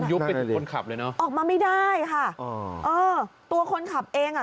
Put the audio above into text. ยุบไปถึงคนขับเลยเนอะออกมาไม่ได้ค่ะอ๋อเออตัวคนขับเองอ่ะ